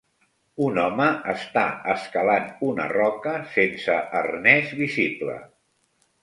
Un home està escalant una roca sense arnès visible.